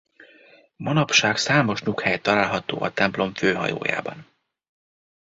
Manapság számos nyughely található a templom főhajójában.